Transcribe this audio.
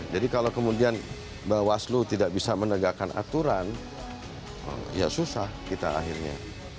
jadi kalau kemudian bawaslu tidak bisa menegakkan aturan ya susah kita akhirnya